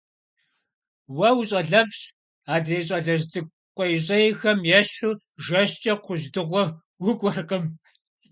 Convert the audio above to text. Уэ ущӀалэфӀщ, адрей щӀалэжь цӀыкӀу къуейщӀейхэм ещхьу жэщкӀэ кхъужь дыгъуэ укӀуэркъым!